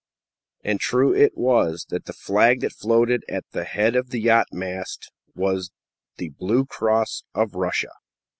And true it was that the flag that floated at the head of yonder mast was the blue cross of Russia.